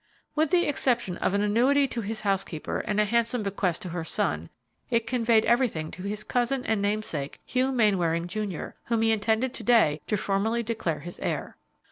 "With the exception of an annuity to his housekeeper and a handsome bequest to her son, it conveyed everything to his cousin and namesake, Hugh Mainwaring, Jr., whom he intended to day to formally declare his heir."